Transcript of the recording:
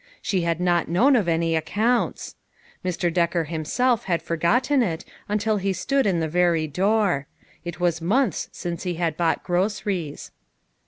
She had not known of any accounts. Mr. Decker himself had forgotten it until he stood in the very door. It was months since he had bought groceries.